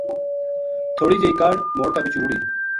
تھوڑی جئی کاہڈ موڑ کا بِچوں رُڑٰی